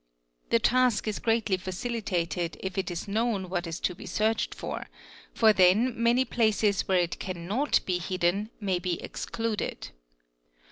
The task is greatly facilitated if it is known what is to be searched for, for then many places where it cannot be hidden may be excluded.